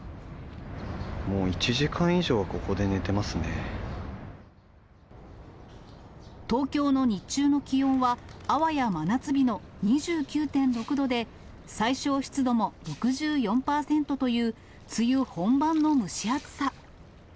もう１時間以上ここで眠って東京の日中の気温はあわや真夏日の２９．６度で、最小湿度も６４％という、梅雨本番の蒸し暑さ。